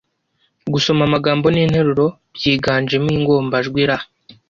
-gusoma amagambo n’interuro byiganjemo ingombajwi r,